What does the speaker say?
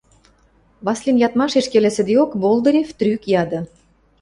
– Васлин ядмашеш келесӹдеок, Болдырев трӱк яды.